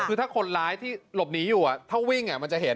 คือถ้าคนร้ายที่หลบหนีอยู่ถ้าวิ่งมันจะเห็น